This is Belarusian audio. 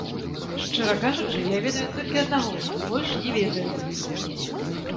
Шчыра кажучы, я ведаю толькі аднаго, больш не ведаю.